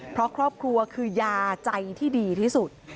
เพราะครอบครัวคือยาใจที่ดีที่สุด